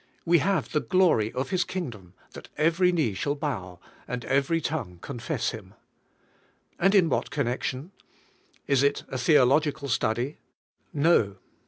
We have the glory of His Kingdom, — that every knee shall bow, and every tongue confess Him. And in what connection? Is it a theological study? No.